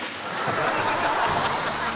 「ハハハハ！」